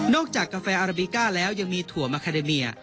จากกาแฟอาราบิก้าแล้วยังมีถั่วมาคาเดเมีย